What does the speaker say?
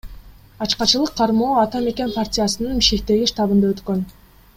Ачкачылык кармоо Ата мекен партиясынын Бишкектеги штабында өткөн.